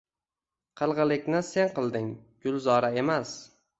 Qilg`ilikni sen qilding, Gulzora emas